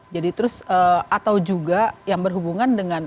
jadi terus atau juga yang berhubungan dengan